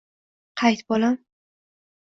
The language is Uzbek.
«Qayt bolam!..»